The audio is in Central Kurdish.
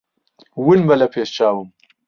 ون بە لە پێش چاوم.